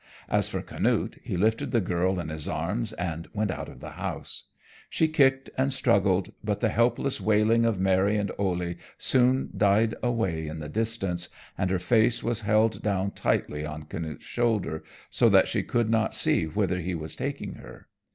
As for Canute, he lifted the girl in his arms and went out of the house. She kicked and struggled, but the helpless wailing of Mary and Ole soon died away in the distance, and her face was held down tightly on Canute's shoulder so that she could not see whither he was taking her.